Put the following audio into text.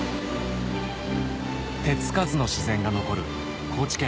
手付かずの自然が残る高知県